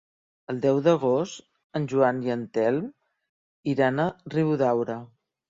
El deu d'agost en Joan i en Telm iran a Riudaura.